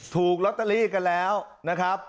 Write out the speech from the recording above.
ถูกลอตเตอรี่กันแล้วนะครับ